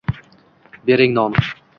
Bering non».